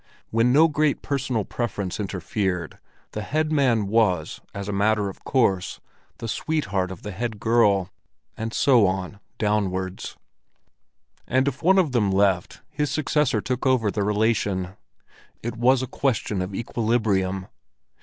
When no great personal preference interfered, the head man was as a matter of course the sweetheart of the head girl, and so on downwards; and if one of them left, his successor took over the relation: it was a question of equilibrium.